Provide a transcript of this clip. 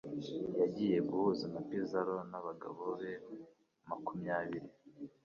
Yagiye guhura na Pizzaro nabagabo be makumyabiri.